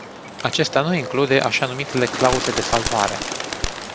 Acesta nu include așa numitele clauze de salvare.